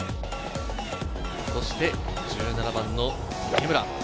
そして１７番の池村。